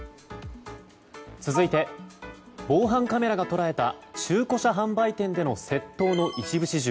続いて防犯カメラが捉えた中古車販売店での窃盗の一部始終。